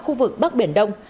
khu vực bắc biển đông